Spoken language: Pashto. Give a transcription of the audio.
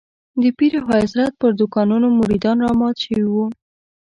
د پیر او حضرت پر دوکانونو مريدان رامات شوي وو.